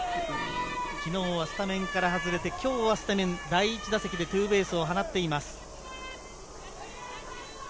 今日はスタメンから外れて、第１打席でツーベースを放っています。